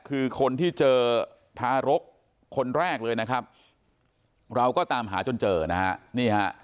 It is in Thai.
คือคนที่เจอทารกคนแรกเลยนะครับเราก็ตามหาจนเจอนะฮะนี่ฮะ